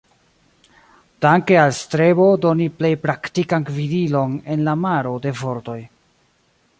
Danke al strebo doni plej praktikan gvidilon en la maro de vortoj.